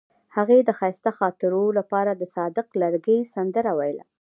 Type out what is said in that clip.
هغې د ښایسته خاطرو لپاره د صادق لرګی سندره ویله.